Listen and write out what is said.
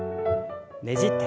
ねじって。